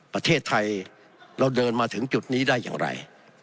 ประเทศไทยเราเดินมาถึงจุดนี้ได้อย่างไร